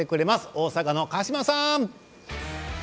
大阪の鹿島さん。